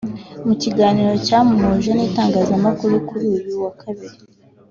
mu kiganiro cyamuhuje n’itangazamakuru kuri uyu wa Kabiri